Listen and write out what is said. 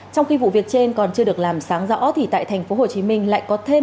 trong khi vụ việc trên còn chưa được làm sáng rõ thì tại tp hcm lại có thêm